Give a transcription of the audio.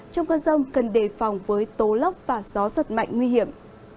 trong cơn rông cần đề phòng với tố lốc và gió giật mạnh nguy hiểm